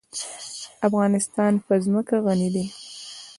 افغانستان په ځمکه غني دی.